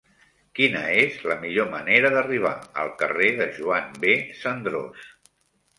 Quina és la millor manera d'arribar al carrer de Joan B. Cendrós?